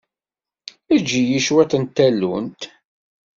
Eǧǧ-iyi cwiṭ n tallunt.